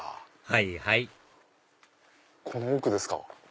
はいはいこの奥ですか。